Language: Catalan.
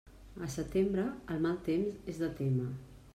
A setembre, el mal temps és de témer.